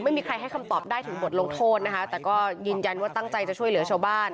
ไม่มีใครให้คำตอบได้ถึงบทลงโทษนะคะแต่ก็ยืนยันว่าตั้งใจจะช่วยเหลือชาวบ้าน